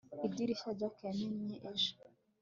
idirishya jack yamennye ejo